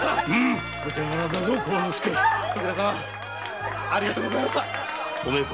徳田様ありがとうございました。